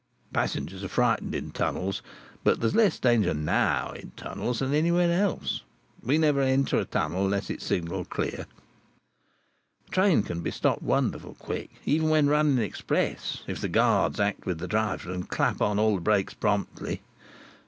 Passengers are frightened in tunnels, but there's less danger, now, in tunnels than anywhere else. We never enter a tunnel unless it's signalled Clear. "A train can be stopped wonderful quick, even when running express, if the guards act with the driver and clap on all the brakes promptly.